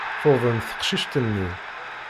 Tuḍen teqcict-nni.